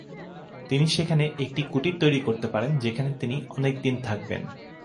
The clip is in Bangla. তিনি সেখানে একটি কুটির তৈরী করতে পারেন যেখানে তিনি অনেকদিন থাকবেন।